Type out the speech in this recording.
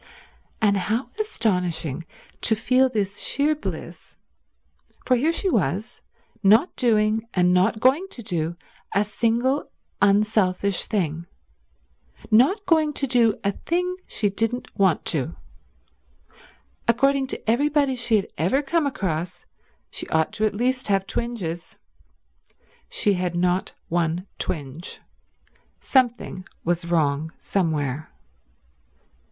And how astonishing to feel this sheer bliss, for here she was, not doing and not going to do a single unselfish thing, not going to do a thing she didn't want to do. According to everybody she had ever come across she ought at least to have twinges. She had not one twinge. Something was wrong somewhere.